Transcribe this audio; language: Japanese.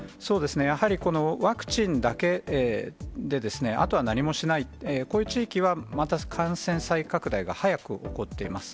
やはりワクチンだけで、あとは何もしない、こういう地域はまた感染再拡大が早く起こっています。